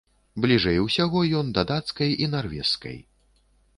Бліжэй усяго ён да дацкай і нарвежскай.